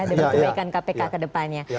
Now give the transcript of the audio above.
untuk mengembalikan kpk kedepannya